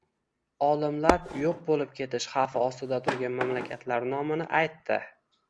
Olimlar yo‘q bo‘lib ketish xavfi ostida turgan mamlakatlar nomini aytdi